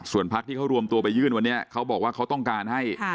ส่วนพักที่เขารวมตัวไปยื่นวันนี้เขาบอกว่าเขาต้องการให้